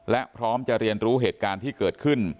และพร้อมจะเรียนรู้เหตุการณ์ที่เกิดขึ้น